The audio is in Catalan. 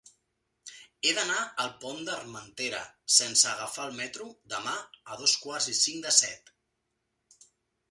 He d'anar al Pont d'Armentera sense agafar el metro demà a dos quarts i cinc de set.